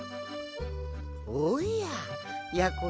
おややころ